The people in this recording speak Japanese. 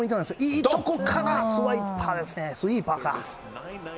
いいところからスワイパーですね、スイーパーか。